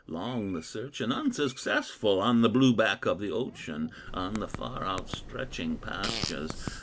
Long the search, and unsuccessful, On the blue back of the ocean, On the far outstretching pastures.